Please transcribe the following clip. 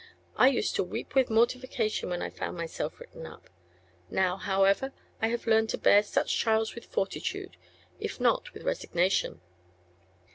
I used to weep with mortification when I found myself 'written up'; now, however, I have learned to bear such trials with fortitude if not with resignation."